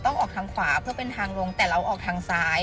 ออกทางขวาเพื่อเป็นทางลงแต่เราออกทางซ้าย